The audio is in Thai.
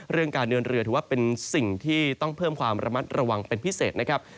เรื่องการเดินเรือถือว่าเป็นสิ่งที่ต้องเพิ่มความระมัดระวังเป็นพิเศษนะครับ